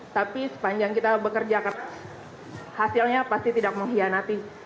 tapi sepanjang kita bekerja hasilnya pasti tidak menghianati